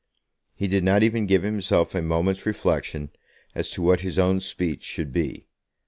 He did not even give himself a moment's reflection as to what his own speech should be.